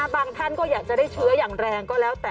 ท่านก็อยากจะได้เชื้ออย่างแรงก็แล้วแต่